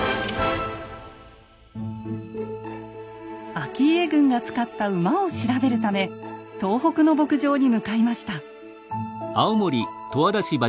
顕家軍が使った馬を調べるため東北の牧場に向かいました。